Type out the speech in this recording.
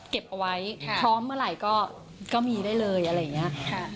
เก็บเอาไว้พร้อมเมื่อไหร่ก็มีได้เลยอะไรอย่างนี้